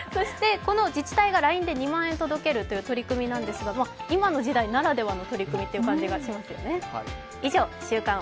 この自治体がＬＩＮＥで２万円を届けるという取り組みなんですが今の時代ならではの取り組みという感じがしますよね。